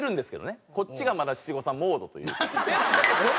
こっちがまだ七五三モードというか。